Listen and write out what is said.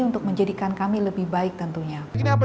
untuk menjadikan kami lebih baik tentunya